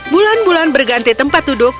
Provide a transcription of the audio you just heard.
bulan bulan berganti tempat duduk